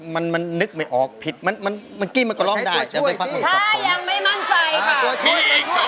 มันนึกไม่ออกผิดมันกินมันก็ร้องได้ใช้ตัวช่วยที่